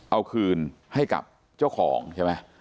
เอาคืนให้กับเจ้าของใช่ไหม